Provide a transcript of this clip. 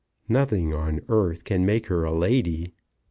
"Nothing on earth can make her a lady."